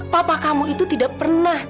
papa kamu itu tidak pernah